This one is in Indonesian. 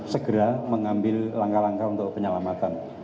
segera mengambil langkah langkah untuk penyelamatan